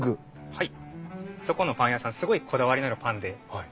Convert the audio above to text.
はい。